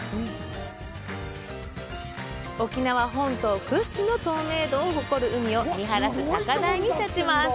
沖縄本島屈指の透明度を誇る海を見晴らす高台に建ちます。